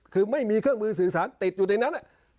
คือไม่มีเครื่องมือสื่อสารติดอยู่ในนั้น